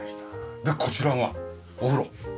でこちらがお風呂。